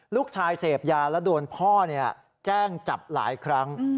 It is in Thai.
ลูกชายเสพยาแล้วโดนพ่อแจ้งจับหลายครั้ง